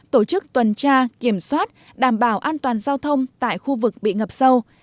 tổ chức tuần tra kiểm soát đảm bảo an toàn giao thông tại khu vực bị ngập sâu